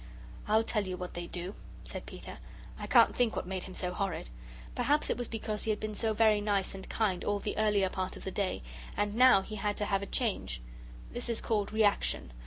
"I'll tell you what they do," said Peter. I can't think what made him so horrid. Perhaps it was because he had been so very nice and kind all the earlier part of the day, and now he had to have a change. This is called reaction.